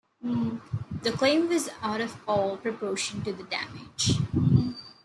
The claim was out of all proportion to the damage.